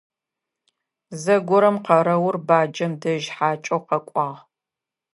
Зэгорэм къэрэур баджэм дэжь хьакӀэу къэкӀуагъ.